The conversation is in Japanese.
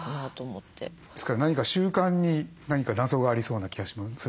ですから何か習慣に何か謎がありそうな気がするんです。